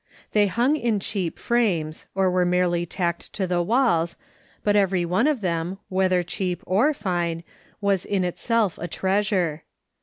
They hung in cheap frames, or were merely tacked to the walls, but every one of them, whether cheap or fine, was in itself a treasure.